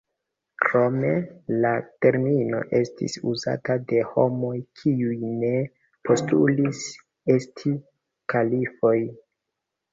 Krome, la termino estis uzata de homoj kiuj ne postulis esti kalifoj.